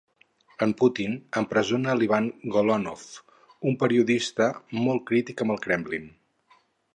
En Putin empresona l'Ivan Golunov, un periodista molt crític amb el Kremlin.